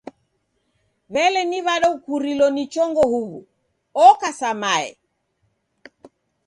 W'ele ni w'ada ukurilo ni chongo huw'u? Oka sa mae.